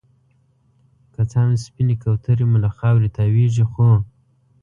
که څه هم سپينې کونترې مو له خاورې تاويږي ،خو